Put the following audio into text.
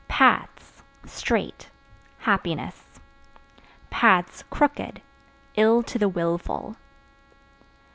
Paths (Straight) happiness; (crooked) ill to the willful.